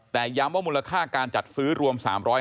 แต่ย้ำว่ามูลค่าการจัดซื้อรวม๓๕๐